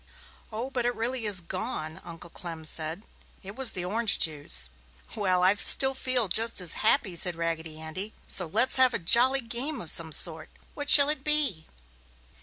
"Oh, but it really is gone!" Uncle Clem said. "It was the orange juice!" "Well, I still feel just as happy," said Raggedy Andy, "so let's have a jolly game of some sort! What shall it be?"